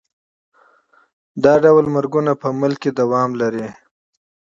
دا ډول مرګونه په هېواد کې دوام لري.